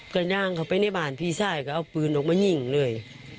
ก็ย่างเข้าไปในบ้านพี่ชายก็เอาปืนออกมายิงเลย